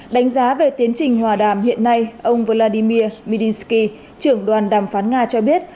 đánh giá về tiến trình hòa đàm hiện nay ông vladimir midinsky trưởng đoàn đàm phán nga cho biết